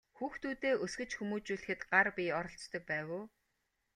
Хүүхдүүдээ өсгөж хүмүүжүүлэхэд гар бие оролцдог байв уу?